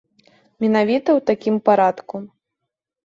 Менавіта ў такім парадку.